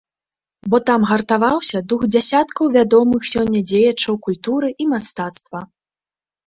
Бо там гартаваўся дух дзясяткаў вядомых сёння дзеячаў культуры і мастацтва.